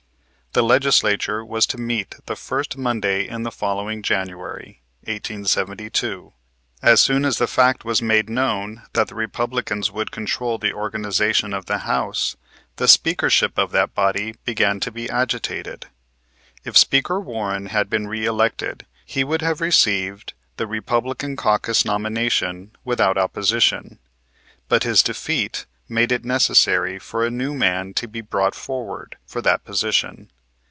The Legislature was to meet the first Monday in the following January, 1872. As soon as the fact was made known that the Republicans would control the organization of the House, the Speakership of that body began to be agitated. If Speaker Warren had been reëlected he would have received the Republican caucus nomination without opposition, but his defeat made it necessary for a new man to be brought forward for that position.